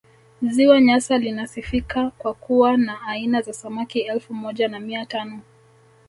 ziwa nyasa linasifika kwa kuwa na aina za samaki elfu moja na mia tano